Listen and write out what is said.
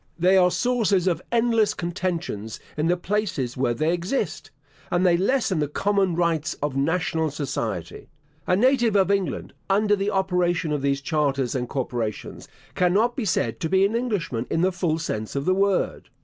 They are sources of endless contentions in the places where they exist, and they lessen the common rights of national society. A native of England, under the operation of these charters and corporations, cannot be said to be an Englishman in the full sense of the word.